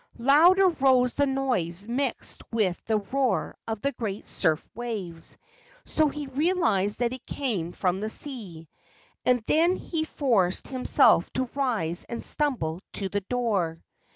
Louder rose the noise mixed with the roar of the great surf waves, so he realized that it came from the sea, and he then forced himself to rise and stumble to the door.